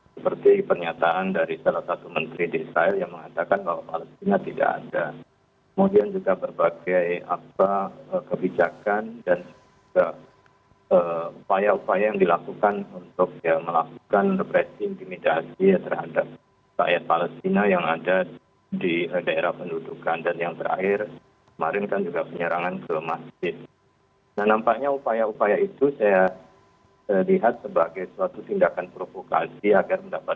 seperti pernyataan dari salah satu menteri di israel yang mengatakan bahwa palestina tidak ada